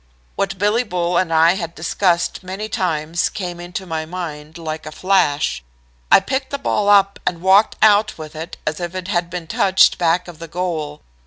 What Billy Bull and I had discussed many times came into my mind like a flash. I picked the ball up and walked out with it as if it had been touched back of the goal.